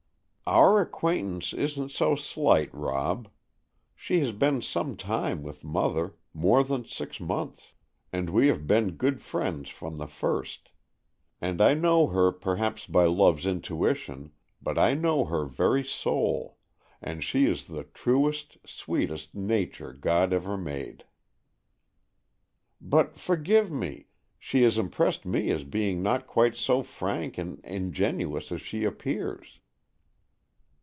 "Our acquaintance isn't so slight, Rob. She has been some time with mother,—more than six months,—and we have been good friends from the first. And I know her, perhaps by Love's intuition,—but I know her very soul,—and she is the truest, sweetest nature God ever made." "But—forgive me—she has impressed me as being not quite so frank and ingenuous as she appears."